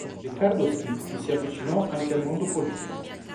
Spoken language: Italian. Riccardo Schicchi si avvicinò anche al mondo politico.